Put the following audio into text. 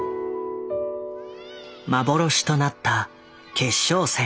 幻となった決勝戦。